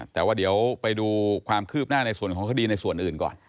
แต่ว่าเดี๋ยวไปดูความคืบหน้าในส่วนของคดีในส่วนอื่นก่อน